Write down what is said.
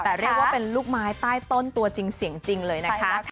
แต่เรียกว่าเป็นลูกไม้ใต้ต้นตัวจริงเสียงจริงเลยนะคะ